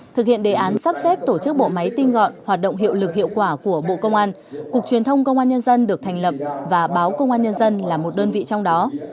thực hiện đề án sắp xếp tổ chức bộ máy tinh gọn hoạt động hiệu lực hiệu quả của bộ công an cục truyền thông công an nhân dân được thành lập và báo công an nhân dân là một đơn vị trong đó